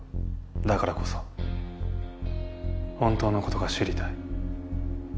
だからこそ本当のことが知りたい。